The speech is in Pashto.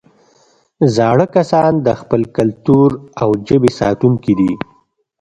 زاړه کسان د خپل کلتور او ژبې ساتونکي دي